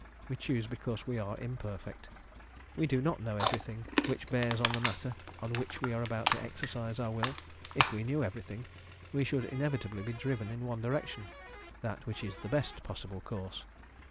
We choose because we are imperfect; we do not know everything which bears on the matter on which we are about to exercise our will; if we knew everything we should inevitably be driven in one direction, that which is the best possible course.